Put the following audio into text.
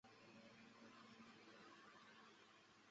为松本市的。